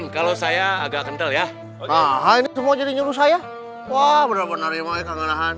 kalau saya agak kental ya ini semua jadi nyuruh saya